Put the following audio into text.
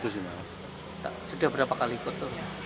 sudah berapa kali ikut